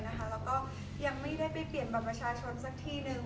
แล้วก็ยังไม่ได้ไปเปลี่ยนบัตรประชาชนสักที่หนึ่ง